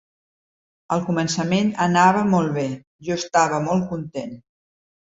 Al començament anava molt bé, jo estava molt content.